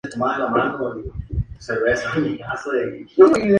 Se desempeña como centrocampista en Olimpia de la Primera División de Paraguay.